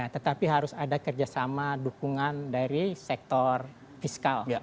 tetapi harus ada kerjasama dukungan dari sektor fiskal